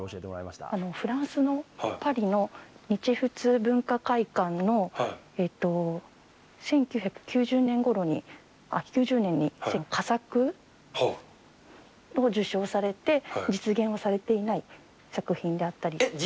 フランスのパリの日仏文化会館の１９９０年に、佳作を受賞されて、実現をされていない作品であったりとか。